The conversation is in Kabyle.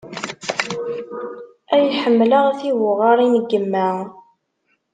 Ay ḥemmleɣ tibuɣarin n yemma.